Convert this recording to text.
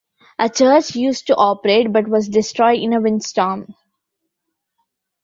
A church used to operate but was destroyed in a windstorm.